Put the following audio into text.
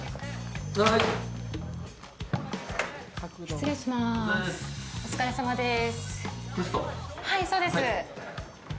失礼します、お疲れさまです。